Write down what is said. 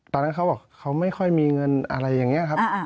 เขาบอกเขาไม่ค่อยมีเงินอะไรอย่างนี้ครับ